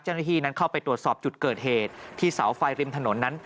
เจ้าหน้าที่นั้นเข้าไปตรวจสอบจุดเกิดเหตุที่เสาไฟริมถนนนั้น